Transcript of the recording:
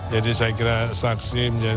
jadi saya kira saksi